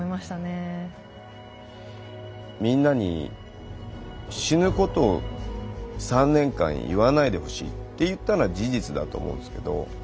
みんなに死ぬことを３年間言わないでほしいって言ったのは事実だと思うんですけど